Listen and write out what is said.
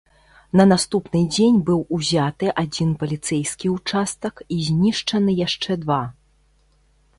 На наступны дзень быў узяты адзін паліцэйскі ўчастак і знішчаны яшчэ два.